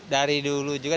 dari dulu juga